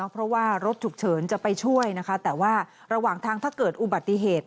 เพราะว่ารถฉุกเฉินจะไปช่วยนะคะแต่ว่าระหว่างทางถ้าเกิดอุบัติเหตุ